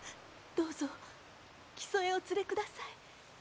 どうぞ木曽へお連れください。